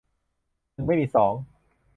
หนึ่งไม่มีสอง